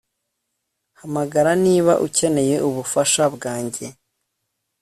Hamagara niba ukeneye ubufasha bwanjye